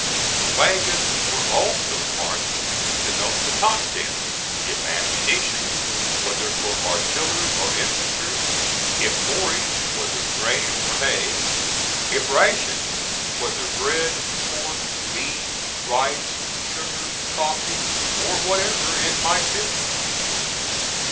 The wagons were also marked to note the contents: if ammunition, whether for artillery or infantry; if forage, whether grain or hay; if rations, whether, bread, pork, beans, rice, sugar, coffee or whatever it might be.